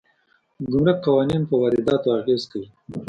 د ګمرک قوانین په وارداتو اغېز کوي.